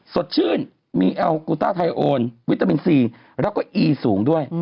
สดชื่นมีแอลกุต้าไทโอนวิตามินซีแล้วก็อีสูงด้วย